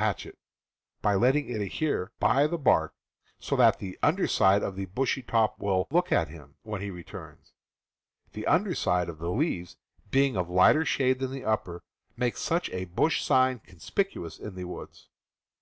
he hatchet, but letting it adhere by the bark so that the Fig. 10. under side of the bushy top will "look at him" when he returns. The under side of the leaves, being of lighter shade than the upper, makes such a bush sign conspicuous in the woods.